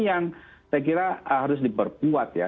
yang saya kira harus diperkuat ya